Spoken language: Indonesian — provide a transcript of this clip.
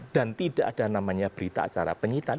dan tidak ada berita acara penyitaan